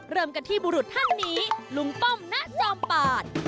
เริ่มกันที่บุรุษท่านนี้ลุงป้อมณจอมปาด